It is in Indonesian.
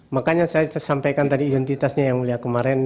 makanya saya sampaikan tadi identitasnya yang mulia kemarin